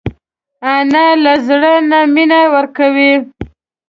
انا له زړه نه مینه ورکوي